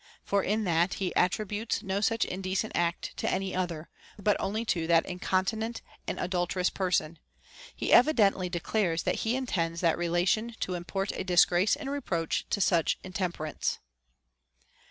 For in that he attributes no such indecent act to any other, but only to that incontinent and adulterous person, he evidently de clares that he intends that relation to import a disgrace and reproach to such intemperance.